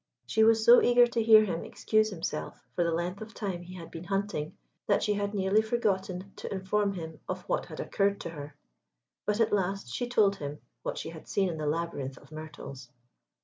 She was so eager to hear him excuse himself for the length of time he had been hunting, that she had nearly forgotten to inform him of what had occurred to her; but at last she told him what she had seen in the labyrinth of myrtles.